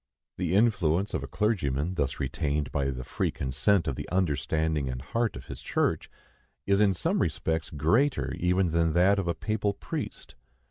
The influence of a clergyman, thus retained by the free consent of the understanding and heart of his church, is in some respects greater even than that of a papal priest.